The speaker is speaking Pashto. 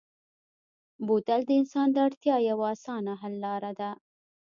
بوتل د انسان د اړتیا یوه اسانه حل لاره ده.